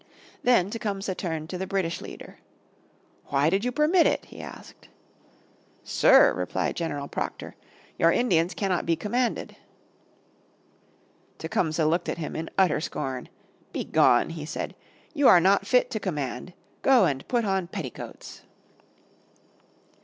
Then Tecumseh turned to the British leader. "Why did you permit it?" he asked. "Sir," replied General Proctor, "your Indians cannot be commanded." Tecumseh looked at him in utter scorn. "Begone," he said; "you are not fit to command. Go and put on petticoats."